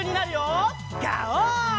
ガオー！